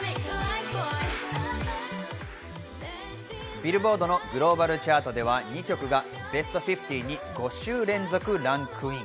ビルボードのグローバルチャートでは２曲がベスト５０に５週連続ランクイン。